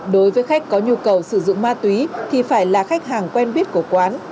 đối với khách có nhu cầu sử dụng ma túy thì phải là khách hàng quen biết của quán